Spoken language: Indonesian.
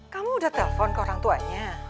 kamu udah telpon ke orang tuanya